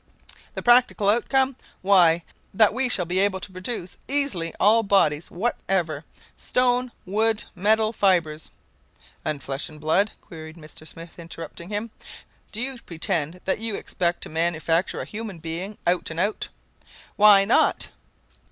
"The practical outcome? Why, that we shall be able to produce easily all bodies whatever stone, wood, metal, fibers " "And flesh and blood?" queried Mr. Smith, interrupting him. "Do you pretend that you expect to manufacture a human being out and out?" "Why not?"